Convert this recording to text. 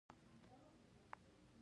د نجونو تعلیم د شکرې ناروغۍ پوهه ورکوي.